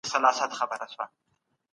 ایا پانګه په اقتصاد کي مهم رول لري؟